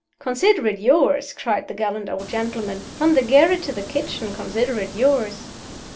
"Consider it yours," cried the gallant old gentleman. "From the garret to the kitchen, consider it yours!"